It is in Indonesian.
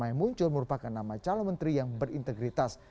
nama yang muncul merupakan nama calon menteri yang berintegritas